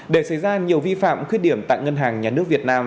để xảy ra nhiều vi phạm khuyết điểm tại ngân hàng nhà nước việt nam